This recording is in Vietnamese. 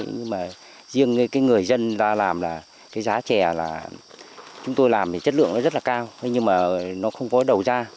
nhưng mà riêng cái người dân ra làm là cái giá chè là chúng tôi làm thì chất lượng nó rất là cao nhưng mà nó không có đầu ra